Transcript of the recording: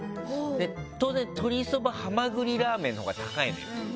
当然鶏そばはまぐりラーメンのほうが高いのよ。